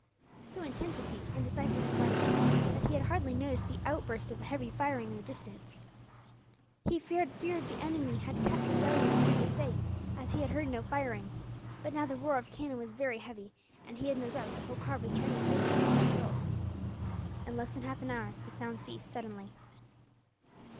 So intent was he, in deciphering the writing, that he had hardly noticed the outburst of heavy firing in the distance. He had feared the enemy had captured Delhi on the previous day, as he had heard no firing; but now the roar of cannon was very heavy, and he had no doubt that Holkar was trying to take the town by assault. In less than half an hour the sound ceased, suddenly.